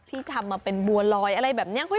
ที่ทำมาเป็นบัวลอยอะไรแบบนี้